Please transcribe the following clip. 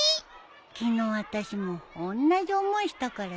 昨日あたしもおんなじ思いしたからさ。